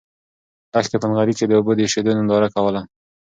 لښتې په نغري کې د اوبو د اېشېدو ننداره کوله.